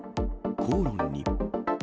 口論に。